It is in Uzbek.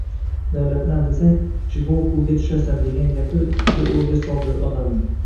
Davlatni aldasang, “jigoku”ga tushasan degan gapi juda oʻyga soldi odamni.